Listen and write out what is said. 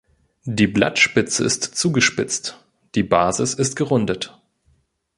Die Blattspitze ist zugespitzt, die Basis ist gerundet.